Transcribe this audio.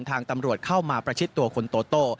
ทางตำรวจเข้ามาประชิดตัวคนโตโต้